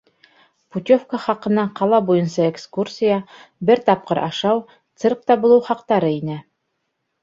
Путевка хаҡына ҡала буйынса экскурсия, бер тапҡыр ашау, циркта булыу хаҡтары инә.